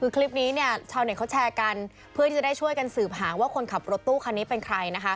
คลิปนี้ชาวเน็ตแชร์กันเพื่อที่จะได้ช่วยกันสืบหาว่าคนขับรถตู้คันนี้เป็นใคร